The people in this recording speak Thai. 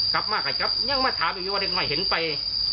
กลับมากกับกลับยังมาถามอยู่วันเด็กหน่อยเห็นไป